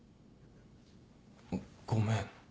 ごめん。